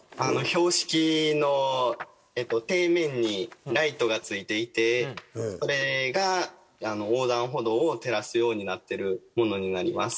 標識の底面にライトが付いていてそれが横断歩道を照らすようになってるものになります。